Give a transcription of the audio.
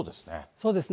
そうですね。